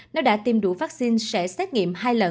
nếu đã tiêm đủ vaccine sẽ xét nghiệm